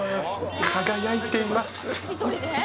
輝いています。